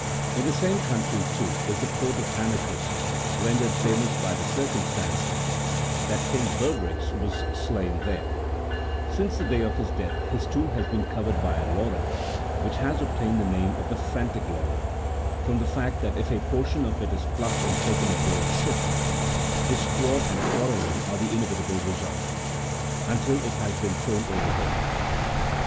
In the same country, too, is the port of Amycus,65 rendered famous by the circumstance that King Bebryx was slain there. Since the day of his death his tomb has been covered by a laurel, which has obtained the name of the " frantic laurel," from the fact that if a portion of it is plucked and taken on board ship, discord and quarrel 62 See B. iv.